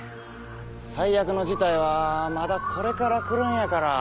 最悪の事態はまだこれから来るんやから。